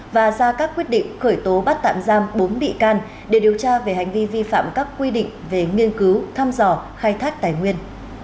và ra các quyết định khởi tố bắt tạm giam bốn bị can để điều tra về hành vi vi phạm các quy định về nghiên cứu thăm dò khai thác tài nguyên